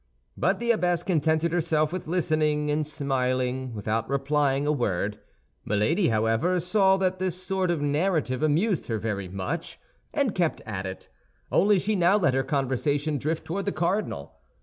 But the abbess contented herself with listening and smiling without replying a word. Milady, however, saw that this sort of narrative amused her very much, and kept at it; only she now let her conversation drift toward the cardinal.